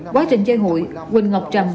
quá trình chơi hội huỳnh ngọc trầm